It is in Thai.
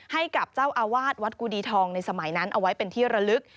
ให้กับเจ้าอาวาสวัดกุดีทองในสมัยนั้นเอาไว้เป็นที่ระลึก